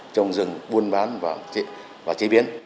trồng rừng buôn bán và chế biến